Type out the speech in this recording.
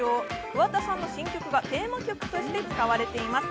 桑田さんの新曲がテーマ曲として使われています。